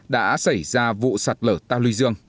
đã xảy ra vụ sạt lở tàu lưu dương